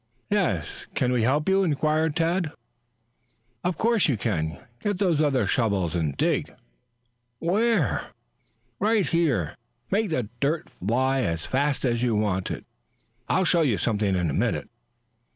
"Yes; can we help you?" inquired Tad. "Of course you can. Get those other shovels and dig." "Where?" "Right here. Make the dirt fly as fast as you want to. I'll show you something in a minute."